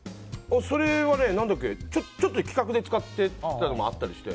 それはちょっと企画で使ってたりというのもあったりして。